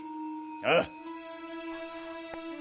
ああ。